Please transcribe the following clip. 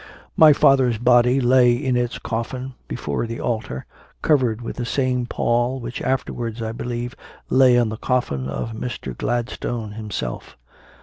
My father s body lay in its coffin before the altar, covered with the same pall which afterwards, I believe, lay on the coffin of Mr. Gladstone himself.